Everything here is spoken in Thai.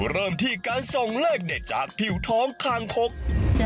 อย่างนี้จะออกแล้วขอหน่อยนะจ๊ะ